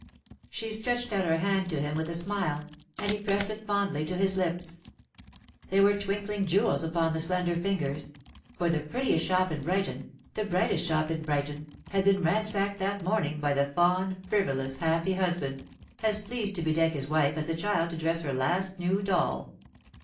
She stretched out her hand to him with a smile, and he pressed it fondly to his lips. There were twinkling jewels upon the slender fingers; for the prettiest shop in Brighton the brightest shop in Brighton had been ransacked that morning by the fond, frivolous, happy husband, as pleased to bedeck his wife as a child to dress her last new doll.